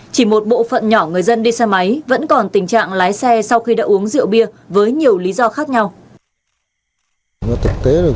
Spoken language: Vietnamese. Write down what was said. chỉ một bộ phận nhỏ người dân đi xe máy vẫn còn tình trạng lái xe sau khi đã uống rượu bia với nhiều lý do khác nhau